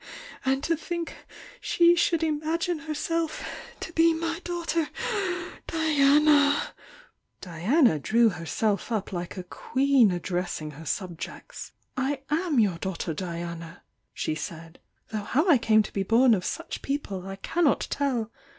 And to think she should imagine herself to be my daughter Diana!" su°ecte "^^^®*^"^^" addressing her "lam your daughter Diana!" she said— "Though how I c uiie to be born of such people I cannot tell!